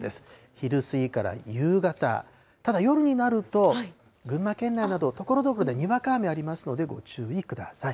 昼過ぎから夕方、ただ、夜になると群馬県内など、ところどころでにわか雨ありますので、ご注意ください。